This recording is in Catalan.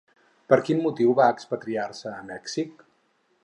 Per quin motiu va expatriar-se a Mèxic?